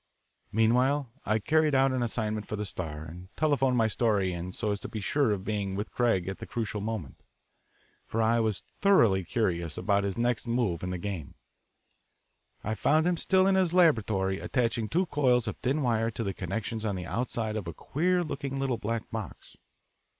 Meanwhile I carried out an assignment for the Star, and telephoned my story in so as to be sure of being with Craig at the crucial moment. For I was thoroughly curious about his next move in the game. I found him still in his laboratory attaching two coils of thin wire to the connections on the outside of a queer looking little black box.